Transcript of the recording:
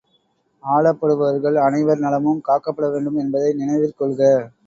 ஆளப்படுபவர்கள் அனைவர் நலமும் காக்கப்பட வேண்டும் என்பதை நினைவிற் கொள்க!